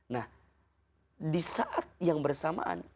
nah disaat yang bersamaan